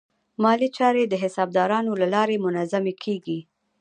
مالي چارې د حسابدارانو له لارې منظمې کېږي.